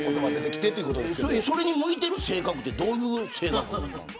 それに向いている性格っどういう性格。